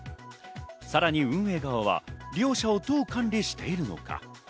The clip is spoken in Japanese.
さらに運営側は利用者をどう管理しているのか。